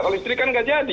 kalau listrik kan nggak jadi